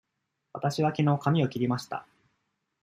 わたしはきのう髪を切りました。